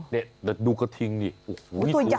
นี่ดูกระทิงนี่โอ้โฮตัวใหญ่มาก